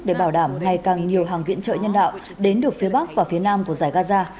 để bảo đảm ngày càng nhiều hàng viện trợ nhân đạo đến được phía bắc và phía nam của giải gaza